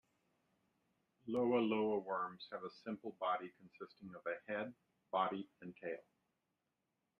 "Loa loa" worms have a simple body consisting of a head, body, and tail.